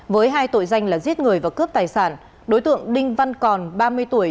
với hai tội danh là giết người và cướp tài sản đối tượng đinh văn còn ba mươi tuổi